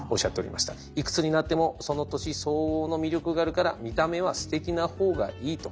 「いくつになってもその年相応の魅力があるから見た目はすてきなほうがいい」と。